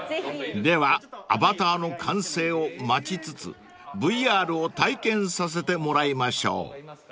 ［ではアバターの完成を待ちつつＶＲを体験させてもらいましょう］